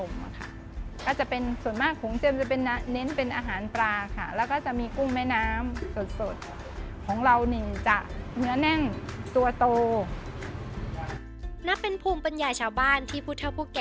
นับเป็นภูมิปัญญาชาวบ้านที่พุทธประวักษณ์และแขกพุทธประวักษมนตปุ๊บ